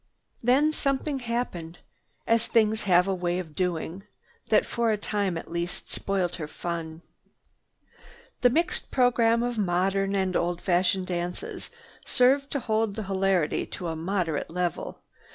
Then something happened, as things have a way of doing, that for a time at least spoiled her fun. The mixed program of modern and old fashioned dances served to hold the hilarity to a moderate level.